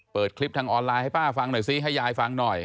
เปิดคลิปทางออนไลน์ให้ป้าฟังหน่อยซิให้ยายฟังหน่อย